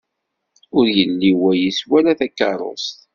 Ur yelli wayis wala takeṛṛust.